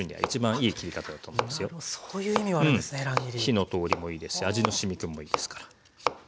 火の通りもいいですし味のしみ込みもいいですから。